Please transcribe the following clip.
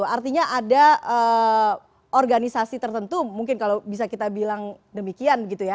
artinya ada organisasi tertentu mungkin kalau bisa kita bilang demikian gitu ya